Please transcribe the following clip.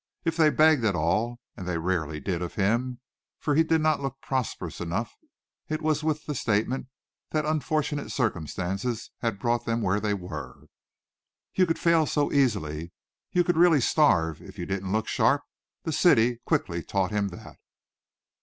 If they begged at all, and they rarely did of him, for he did not look prosperous enough, it was with the statement that unfortunate circumstances had brought them where they were. You could fail so easily. You could really starve if you didn't look sharp, the city quickly taught him that.